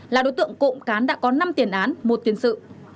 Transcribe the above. là đối tượng cộng cán đã có năm tiền án một tiền sự